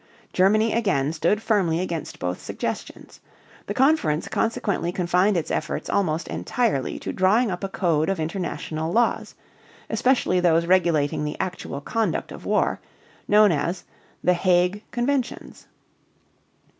Germany again stood firmly against both suggestions. The conference consequently confined its efforts almost entirely to drawing up a code of international laws especially those regulating the actual conduct of war known as "the Hague Conventions."